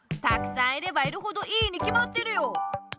たくさんいればいるほどいいにきまってるよ！